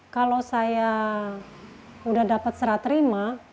kalau saya udah dapat serat terima